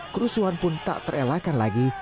kerusuhan pun tak terelakkan lagi